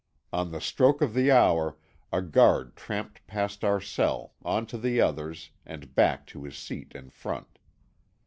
On the stroke of the hour a guard tramped past our cell, on to the others, and back to his seat in front.